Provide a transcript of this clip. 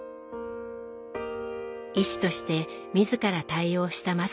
医師として自ら対応した雅子さん。